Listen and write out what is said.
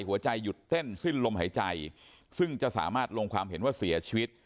หัวใจหยุดเต้นสิ้นลมหายใจซึ่งจะสามารถลงความเห็นว่าเสียชีวิต